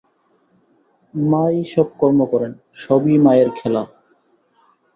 মা-ই সব কর্ম করেন, সবই মায়ের খেলা।